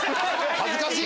恥ずかしい！